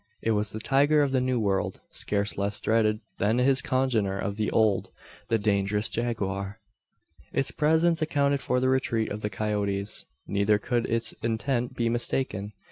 It was the tiger of the New World scarce less dreaded than his congener of the Old the dangerous jaguar. Its presence accounted for the retreat of the coyotes. Neither could its intent be mistaken.